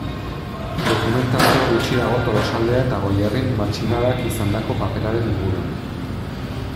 Dokumentazio gutxi dago Tolosaldea eta Goierrin matxinadak izandako paperaren inguruan.